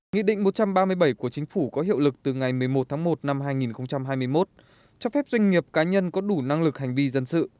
nghị định một trăm ba mươi bảy của chính phủ có hiệu lực từ ngày một mươi một tháng một năm hai nghìn hai mươi một cho phép doanh nghiệp cá nhân có đủ năng lực hành vi dân sự